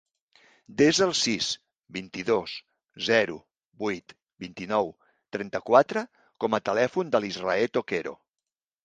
Desa el sis, vint-i-dos, zero, vuit, vint-i-nou, trenta-quatre com a telèfon de l'Israe Toquero.